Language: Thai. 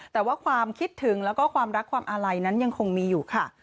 แต่ว่าความคิดถึงแล้วก็ความรักความอาลัยนั้นยังคงมีอยู่ค่ะ